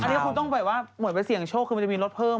อันนี้คือคุณต้องไว้ว่าหมดไปเสี่ยงโชคคือมีรถเพิ่ม